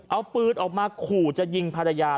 เอาปืนออกมาขู่จะยิงภรรยา